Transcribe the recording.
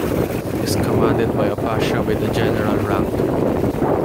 Is commanded by a pasha with a general rank.